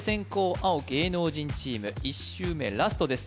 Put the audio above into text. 青芸能人チーム１周目ラストです